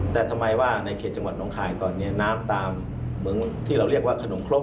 แต่ทำไมว่าในเขตจังหวัดน้องคายตอนนี้น้ำตามเหมืองที่เราเรียกว่าขนมครก